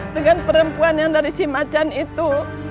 dengan perempuan yang dari cimacan itu